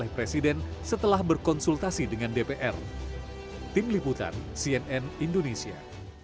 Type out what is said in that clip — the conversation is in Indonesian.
presiden setelah berkonsultasi dengan dpr tim liputan cnn indonesia